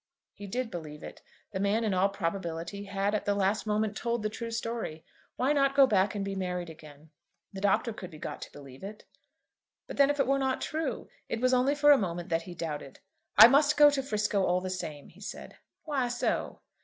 He did believe it. The man in all probability had at the last moment told the true story. Why not go back and be married again? The Doctor could be got to believe it. But then if it were not true? It was only for a moment that he doubted. "I must go to 'Frisco all the same," he said. "Why so?"